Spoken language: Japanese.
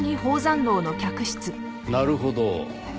なるほど。